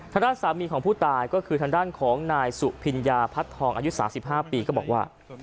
ด้านสามีของผู้ตายก็คือทางด้านของนายสุพิญญาพัดทองอายุ๓๕ปีก็บอกว่า